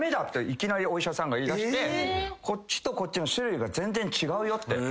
いきなりお医者さんが言いだして「こっちとこっちの種類が全然違うよ」って。